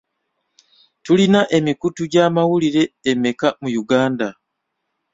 Tulina emikutu gy'amawulire emeka mu Uganda?